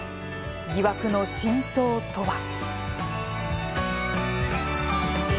疑惑の深層とは。